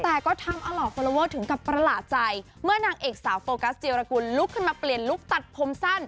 แต่ก็ทำเอาเหล่าฟอลลอเวอร์ถึงกับประหลาดใจเมื่อนางเอกสาวโฟกัสเจียรกุลลุกขึ้นมาเปลี่ยนลุคตัดผมสั้น